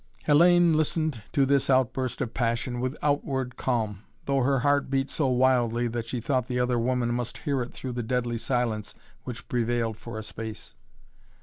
Hellayne listened to this outburst of passion with outward calm, though her heart beat so wildly that she thought the other woman must hear it through the deadly silence which prevailed for a space.